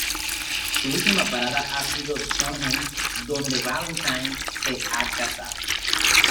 Su última parada ha sido Trondheim, donde Valentine se ha casado.